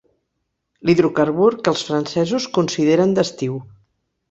L'hidrocarbur que els francesos consideren d'estiu.